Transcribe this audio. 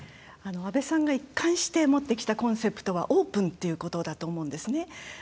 安倍さんが一貫して持ってきたコンセプトはオープンっていうことだと思うんですね。